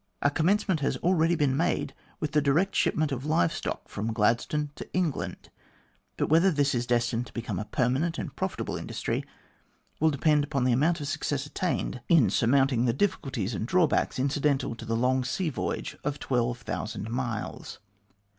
A commencement has already t been made with the direct shipment of live stock from Gladstone to England, but whether this is destined to become a permanent and profitable industry will depend upon the amount of success attained in N 194 THE GLADSTONE COLONY surmounting the difficulties and drawbacks incidental to the long sea voyage of 12,000 miles.